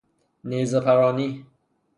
نیزه پرانی